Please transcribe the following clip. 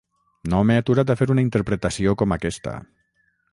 No m’he aturat a fer una interpretació com aquesta.